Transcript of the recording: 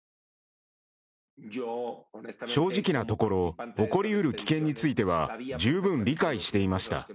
正直なところ、起こりうる危険については十分理解していました。